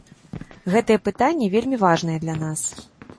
Гэтае пытанне вельмі важнае для нас.